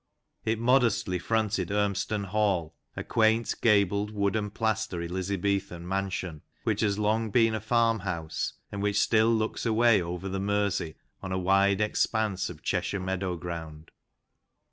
It modestly fronted Urmston Hall, a quaint, gabled, wood and plaster Elizabethan mansion, which has long been a farm house, and which still looks away over the Mersey on a wide expanse of Cheshire meadow ground.